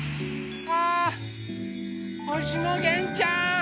あほしのげんちゃん。